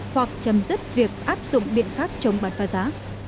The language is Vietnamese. hoặc chấm dứt việc áp dụng biện pháp chống bán pha giá